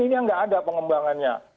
ini yang nggak ada pengembangannya